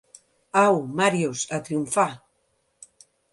Au, Màrius, a triomfar!